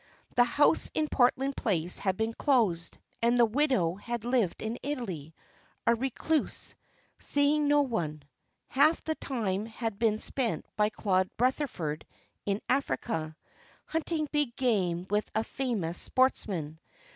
The house in Portland Place had been closed, and the widow had lived in Italy, a recluse, seeing no one. Half the time had been spent by Claude Rutherford in Africa, hunting big game with a famous sportsman.